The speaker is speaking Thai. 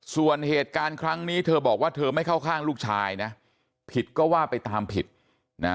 ส่วนเหตุการณ์ครั้งนี้เธอบอกว่าเธอไม่เข้าข้างลูกชายนะผิดก็ว่าไปตามผิดนะ